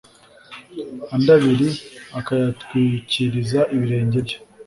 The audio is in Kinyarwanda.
andi abiri akayatwikiriza ibirenge bye